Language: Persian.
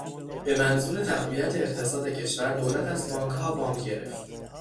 به منظور تقویت اقتصاد کشور، دولت از بانکها وام گرفت.